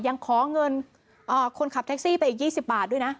ยังขอเงินคนขับแท็กซี่ไปอีก๒๐บาทด้วยนะ